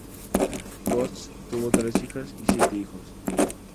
Götz tuvo tres hijas y siete hijos.